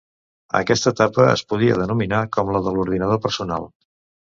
Aquesta etapa es podria denominar com la de l'ordinador personal.